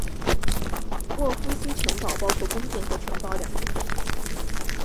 沃夫西城堡包括宫殿和城堡两部分建筑。